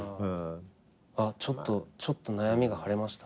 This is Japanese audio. あっちょっと悩みが晴れました。